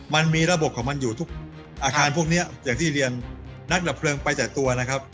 มันมีระบบของมันอยู่ทุกอาคารพวกนี้อย่างที่เรียนนักดับเพลิงไปแต่ตัวนะครับ